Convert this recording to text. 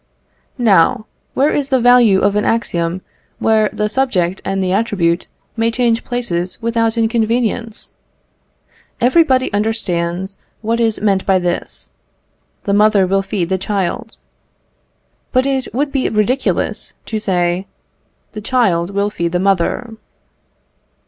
Now, where is the value of an axiom where the subject and the attribute may change places without inconvenience? Everybody understands what is meant by this "The mother will feed the child." But it would be ridiculous to say "The child will feed the mother."